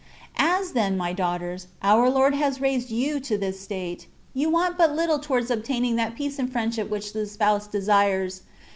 As, then, my daughters, our Lord has raised you to this state, you want but little towards obtaining that peace and friendship which the Spouse de sires.